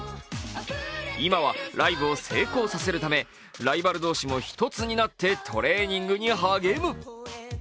今はライブを成功させるため、ライバル同士も一つになってトレーニングに励む。